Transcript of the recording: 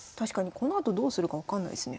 このあとどうするか分かんないですね。